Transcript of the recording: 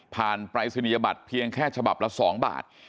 ปรายศนียบัตรเพียงแค่ฉบับละ๒บาท